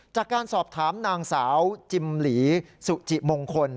จากการสอบถามนางสาวจิมหลีสุจิมงคล